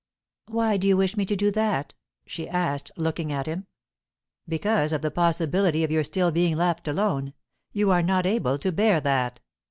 "Why do you wish me to do that?" she asked, looking at him. "Because of the possibility of your still being left alone. You are not able to bear that."